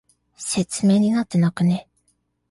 説明になってなくね？